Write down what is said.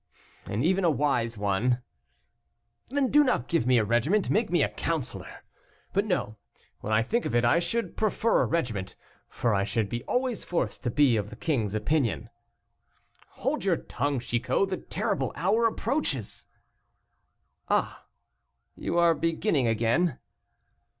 "And even a wise one." "Then do not give me a regiment, make me a counselor; but no, when I think of it, I should prefer a regiment, for I should be always forced to be of the king's opinion." "Hold your tongue, Chicot, the terrible hour approaches." "Ah! you are beginning again."